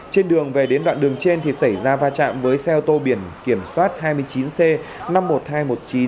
trên đường về đến đoạn đường trên thì xảy ra va chạm với xe ô tô biển kiểm soát hai mươi chín c năm mươi một nghìn hai trăm một mươi chín